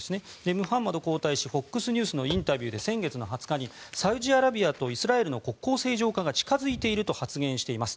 ムハンマド皇太子ＦＯＸニュースのインタビューで先月の２０日にサウジアラビアとイスラエルの国交正常化が近付いていると発言しています。